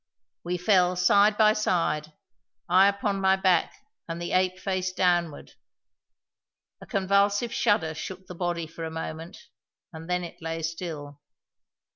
We fell side by side, I upon my back, and the ape face downward. A convulsive shudder shook the body for a moment, and then it lay still.